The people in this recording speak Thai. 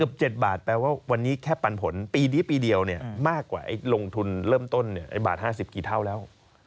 ๗บาทแปลว่าวันนี้แค่ปันผลปีนี้ปีเดียวเนี่ยมากกว่าลงทุนเริ่มต้นบาท๕๐กี่เท่าแล้ว